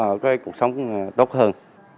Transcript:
để cho bà con có cái cuộc sống tốt hơn